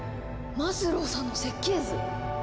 マズローさんの設計図？